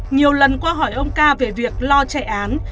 nhiều lần qua hỏi ông ca về việc lo chạy án